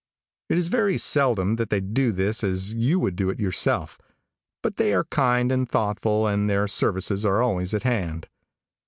It is very seldom that they do this as you would do it yourself, but they are kind and thoughtful and their services are always at hand.